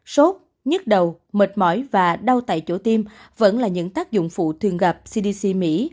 sốt nhức đầu mệt mỏi và đau tại chỗ tiêm vẫn là những tác dụng phụ thường gặp cdc mỹ